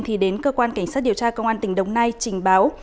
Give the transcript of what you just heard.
thì đến cơ quan cảnh sát điều tra công an tỉnh đồng nai trình báo